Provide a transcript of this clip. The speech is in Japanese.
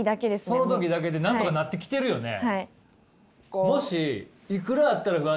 その時だけでなんとかなってきてるよね。